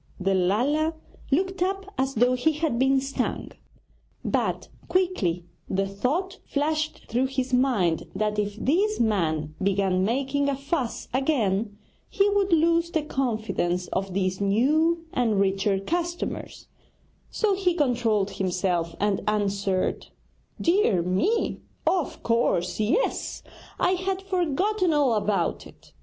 The Lala looked up as though he had been stung; but quickly the thought flashed through his mind that if this man began making a fuss again he would lose the confidence of these new and richer customers; so he controlled himself, and answered: 'Dear me, of course, yes! I had forgotten all about it.'